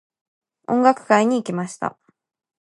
音楽会に行きました。